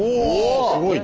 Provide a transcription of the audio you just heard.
すごいね。